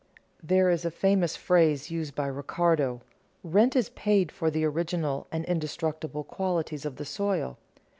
There is a famous phrase used by Ricardo, "rent is paid for the original and indestructible qualities of the soil."